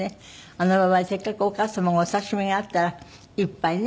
あの場はせっかくお母様がお刺し身があったら一杯ね